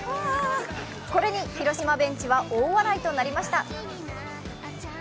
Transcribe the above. これに広島ベンチは大笑いとなりました。